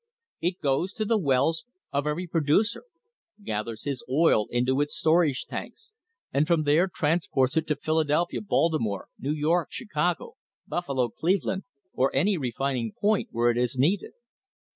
It goes to the wells of every producer, gathers his oil into its storage tanks, and from there transports it to Philadelphia, Baltimore, New York, Chicago, Buffalo, Cleveland, or any other refining point where it is needed.